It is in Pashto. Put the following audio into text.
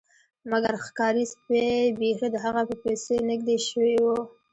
مګر ښکاري سپي بیخي د هغه په پسې نږدې شوي وو